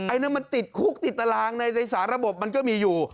อันนั้นมันติดคุกติดตารางในสาระบบมันก็มีอยู่